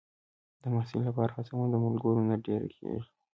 د محصل لپاره هڅونه د ملګرو نه ډېره کېږي.